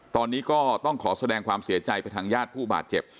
ตอนนี้ก็ต้องขอแสดงความเสียใจไปทางญาติผู้บาดเจ็บ